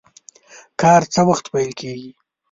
کار څه وخت پیل کیږي؟